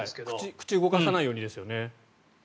口を動かさないようにですよね。